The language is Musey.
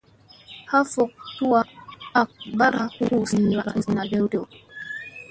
Ha fok tuwa ak ɓaara hu zina tew tew.